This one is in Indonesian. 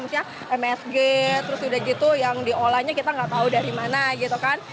misalnya msg terus udah gitu yang diolahnya kita nggak tahu dari mana gitu kan